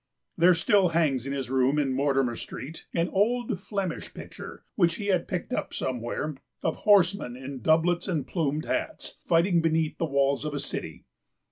There still hangs in his room in Mortimer Street an old Flemish picture, which he had picked up somewhere, of horsemen in doublets and plumed hats, fighting beneath the walls of a city.